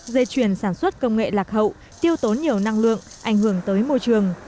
dây chuyển sản xuất công nghệ lạc hậu tiêu tốn nhiều năng lượng ảnh hưởng tới môi trường